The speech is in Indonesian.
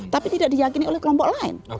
tapi tidak diyakini oleh kelompok lain